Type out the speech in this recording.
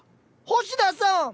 星田さん！